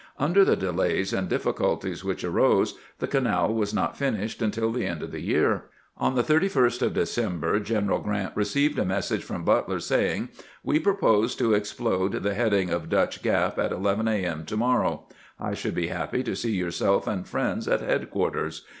Under the delays and difficulties which arose, the canal was not finished until the end of the year. On the 31st of December General Grant received a message from Butler saying :" "We propose to explode the head ing of Dutch Gap at 11 a. m. to morrow. I should be happy to see yourself and friends at headquarters.